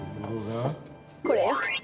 これよ。